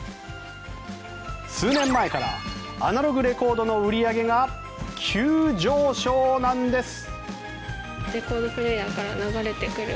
数年前からアナログレコードの売り上げが急上昇なんです。